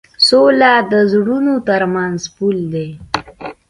سوله د زړونو تر منځ پُل دی.